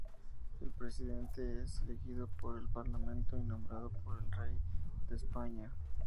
El Presidente es elegido por el Parlamento y nombrado por el rey de España.